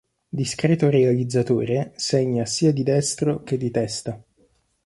Discreto realizzatore, segna sia di destro che di testa.